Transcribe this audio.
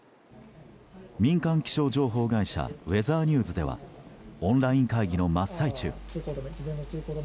民間気象情報会社ウェザーニューズではオンライン会議の真っ最中。